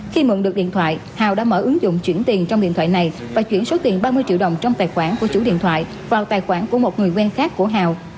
khi mượn được điện thoại hào đã mở ứng dụng chuyển tiền trong điện thoại này và chuyển số tiền ba mươi triệu đồng trong tài khoản của chủ điện thoại vào tài khoản của một người quen khác của hào